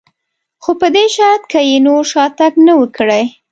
خو په دې شرط که یې نور شاتګ نه و کړی.